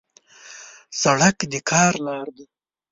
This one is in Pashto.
سړک د کار لار ده.